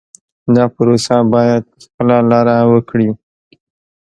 دا پروسه باید په خپله لاره وکړي.